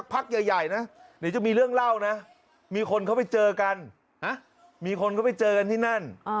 ครับพูดถึงงานแสดงโขโหน่ะ